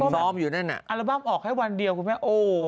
ซ้อมอยู่ด้านนั้นอะอัลบั้มออกแค่วันเดียวคุณพูดแบบโอ้โห